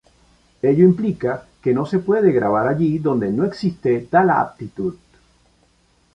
Ello implica que no se puede gravar allí donde no existe tal aptitud.